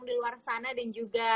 di luar sana dan juga